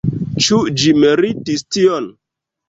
Ĉu ĝi meritis tion?